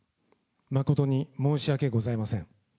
誠に申し訳ございません。